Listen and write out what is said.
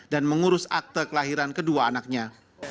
dan mengurus akte kelahiran kedua anaknya